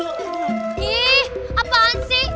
ih apaan sih